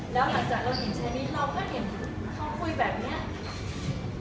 แล้วหลังจากเราเห็นชนิดเราก็เห็นเขาคุยแบบนี้